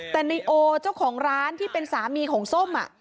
แต่ในโอเจ้าของร้านที่เป็นสามีของส้ม